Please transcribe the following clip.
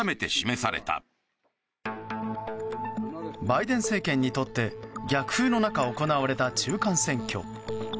バイデン政権にとって逆風の中、行われた中間選挙。